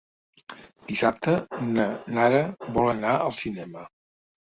Dissabte na Nara vol anar al cinema.